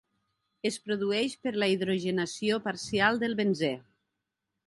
Es produeix per la hidrogenació parcial del benzè.